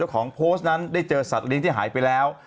ของโพสต์นั้นได้เจอสัตว์เลี้ยงที่หายไปแล้ว